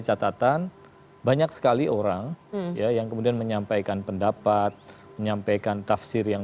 catatan banyak sekali orang yang kemudian menyampaikan pendapat menyampaikan tafsir yang